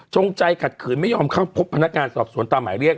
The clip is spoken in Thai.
ใจขัดขืนไม่ยอมเข้าพบพนักงานสอบสวนตามหมายเรียก